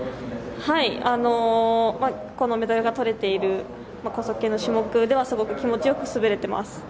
このメダルがとれている高速系の種目ではすごく気持ちよく滑れています。